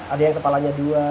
ada yang kepalanya dua